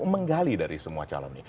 menggali dari semua calon ini